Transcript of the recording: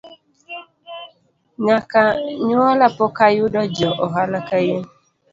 Nyaka nyuola pok ayudo ja ohala kain